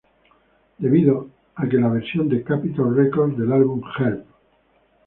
Debido a que la versión de Capitol Records del álbum "Help!